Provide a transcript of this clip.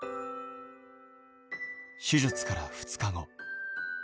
手術から２日後。